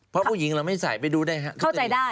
เพราะผู้หญิงเราไม่ใส่ไปดูได้ครับ